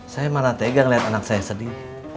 saya malah tegang liat anak saya sedih